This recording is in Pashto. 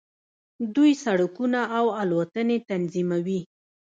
دوی سړکونه او الوتنې تنظیموي.